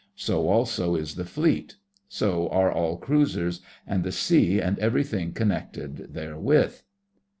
So, also, is the Fleet; so are all cruisers; and the sea and everything connected therewith.